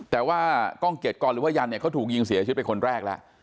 แต่ว่ากล้องเกียรติกรหรือว่ายันเนี่ยเขาถูกยิงเสียชีวิตเป็นคนแรกแล้ว